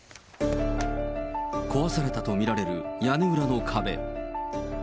壊されたと見られる屋根裏の壁。